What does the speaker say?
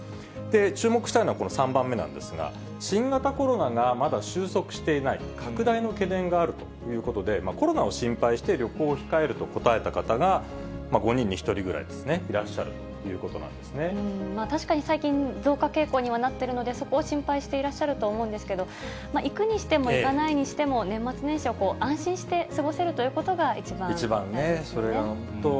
注目したいのはこの３番目なんですが、新型コロナがまだ収束していない、拡大の懸念があるということで、コロナを心配して、旅行を控えると答えた方が５人に１人ぐらいですね、いらっしゃる確かに最近、増加傾向にはなっているんで、そこを心配していらっしゃると思うんですけど、行くにしても、行かないにしても、年末年始を安心して過ごせるということが、一番大事ですよね。